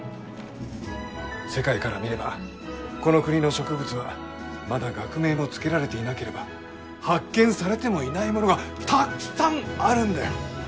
世界から見ればこの国の植物はまだ学名も付けられていなければ発見されてもいないものがたっくさんあるんだよ！